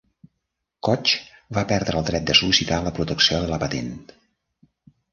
Koch va perdre el dret de sol·licitar la protecció de la patent.